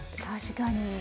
確かに。